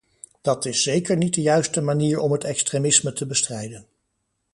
Dat is zeker niet de juiste manier om het extremisme te bestrijden.